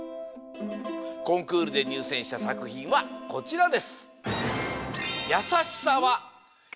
コンクールでにゅうせんしたさくひんはこちらです。